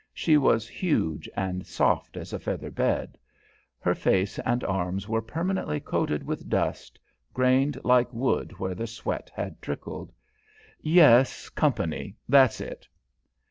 She was huge and soft as a feather bed. Her face and arms were permanently coated with dust, grained like wood where the sweat had trickled. "Yes, company. That's it."